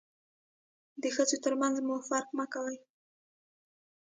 د ښځو تر منځ مو فرق مه کوئ.